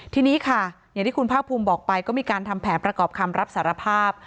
ทีนี้ค่ะอย่างที่คุณภาคภูมิบอกไปก็มีการทำแผนประกอบคำรับสารภาพ